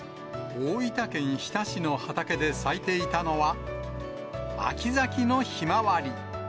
大分県日田市の畑で咲いていたのは、秋咲きのひまわり。